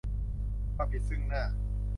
ความผิดซึ่งหน้า